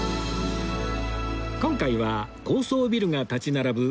今回は高層ビルが立ち並ぶ